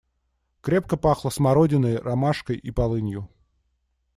Крепко пахло смородиной, ромашкой и полынью.